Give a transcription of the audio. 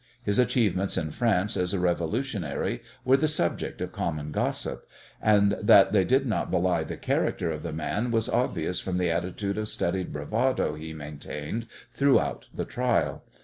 His achievements in France as a revolutionary were the subject of common gossip, and that they did not belie the character of the man was obvious from the attitude of studied bravado he maintained throughout the trial.